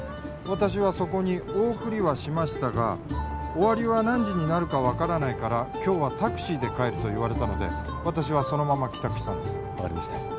私はそこにお送りはしましたが終わりは何時になるか分からないから今日はタクシーで帰ると言われたので私はそのまま帰宅したんです分かりました